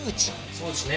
そうですね。